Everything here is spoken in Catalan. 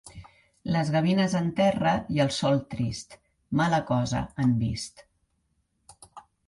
Les gavines en terra i el sol trist, mala cosa han vist.